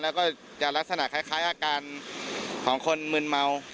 แล้วก็จะลักษณะคล้ายอาการของคนมืนเมา